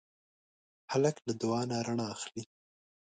هلک له دعا نه رڼا اخلي.